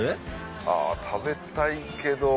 あ食べたいけど。